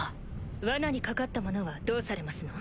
罠にかかった者はどうされますの？